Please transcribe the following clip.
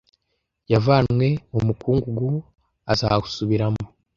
yavanywe mu mukungugu azawusubiramo